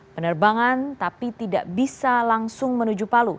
penerbangan tapi tidak bisa langsung menuju palu